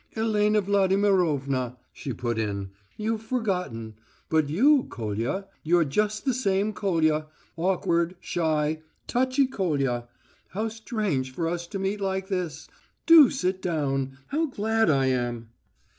"Elena Vladimirovna," she put in. "You've forgotten.... But you, Kolya, you're just the same Kolya, awkward, shy, touchy Kolya. How strange for us to meet like this! Do sit down.... How glad I am...."